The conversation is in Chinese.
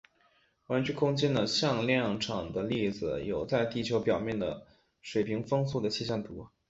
弯曲空间的向量场的例子有在地球表面的水平风速的气象图。